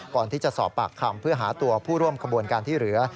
ก่อนที่จะสอบปากคำเพื่อหาตัวผู้ร่วมขบวนการที่เหลือ